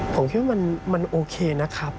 ผมคิดว่ามันโอเคนะครับ